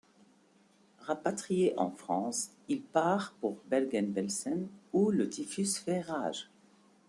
Rapatrié en France, il part pour Bergen-Belsen où le typhus fait rage.